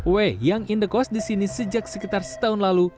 w yang indekos di sini sejak sekitar setahun lalu